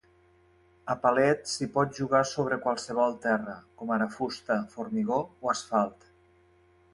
A palet s'hi pot jugar sobre qualsevol terra, com ara fusta, formigó o asfalt.